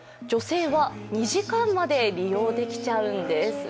女性は２時間まで利用できちゃうんです。